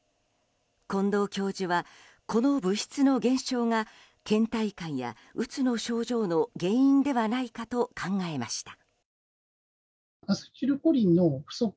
近藤教授は、この物質の減少が倦怠感や、うつの症状の原因ではないかと考えました。